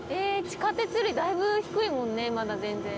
地下鉄よりだいぶ低いもんねまだ全然。